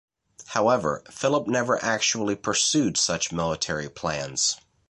However, Philip never actually pursued such military plans.